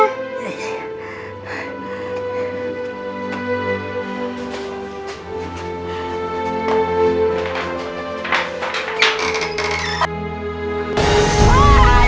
nek aku mau pergi